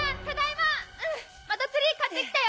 またツリー買って来たよ。